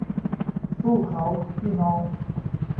สู้เขาพี่น้อง